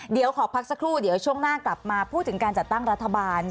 เดี๋ยวขอพักสักครู่เดี๋ยวช่วงหน้ากลับมาพูดถึงการจัดตั้งรัฐบาล